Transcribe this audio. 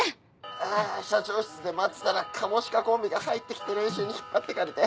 ああ社長室で待ってたらカモシカコンビが入ってきて練習に引っ張っていかれて。